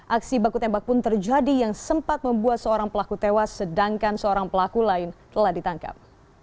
aksi baku tembak pun terjadi yang sempat membuat seorang pelaku tewas sedangkan seorang pelaku lain telah ditangkap